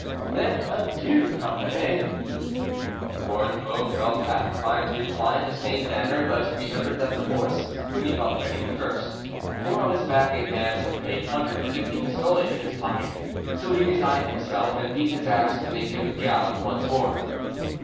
"Then adieu, compère!" Gorenflot felt half inclined to reply in the same manner, but he remembered that the horse, whom he felt ready to curse, bore on his back a man with a hundred and fifty pistoles in his pocket, so he resigned himself, and beat his ass to make him gallop once more.